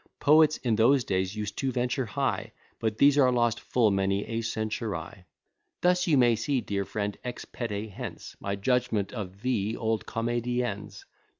Poets, in those days, used to venture high; But these are lost full many a century. Thus you may see, dear friend, ex pede hence, My judgment of the old comedians.